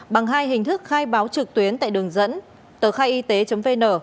bằng hai hình thức khai báo trực tuyến tại đường dẫn tờkhaiyt vn